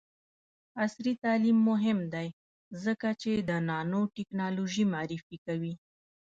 عصري تعلیم مهم دی ځکه چې د نانوټیکنالوژي معرفي کوي.